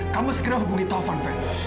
kamu segera hubungi taufan ven